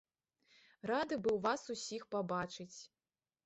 Рады быў вас усіх пабачыць.